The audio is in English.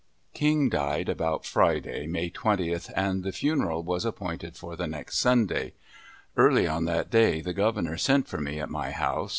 King died about Friday, May 20th, and the funeral was appointed for the next Sunday. Early on that day the Governor sent for me at my house.